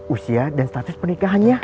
usia dan status pernikahan